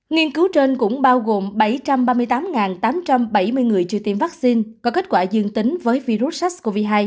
nghiên cứu trên cũng bao gồm bảy trăm ba mươi tám tám trăm bảy mươi người chưa tiêm vaccine có kết quả dương tính với virus sars cov hai